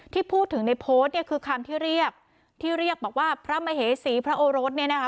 ที่พูดถึงในโพสต์เนี่ยคือคำที่เรียกที่เรียกบอกว่าพระมเหสีพระโอรสเนี่ยนะคะ